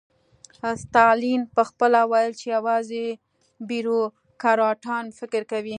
ستالین پخپله ویل چې یوازې بیروکراټان فکر کوي